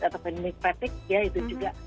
atau pandemik fatigue ya itu juga